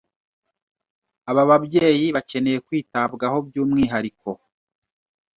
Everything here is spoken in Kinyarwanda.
Aba babyeyi bakeneye kwitabwaho by’umwihariko